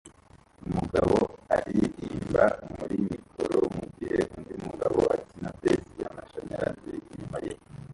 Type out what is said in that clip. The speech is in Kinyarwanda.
Umugabo aririmba muri mikoro mugihe undi mugabo akina bass yamashanyarazi inyuma ye